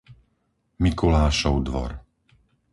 Mikulášov dvor